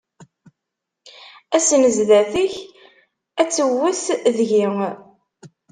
Ass-n zdat-k ad tewwet deg-i.